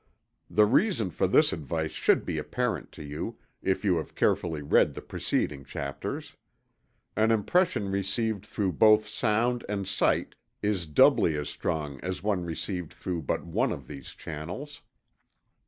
_ The reason for this advice should be apparent to you, if you have carefully read the preceding chapters. An impression received through both sound and sight is doubly as strong as one received through but one of these channels.